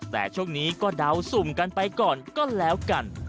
แต่ช่วงนี้ก็เดาสุ่มกันไปก่อนก็แล้วกัน